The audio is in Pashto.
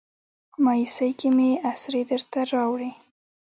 مایوسۍ کې مې اسرې درته راوړي